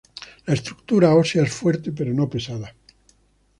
La estructura ósea es fuerte pero no pesado.